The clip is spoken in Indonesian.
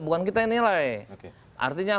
bukan kita yang nilai artinya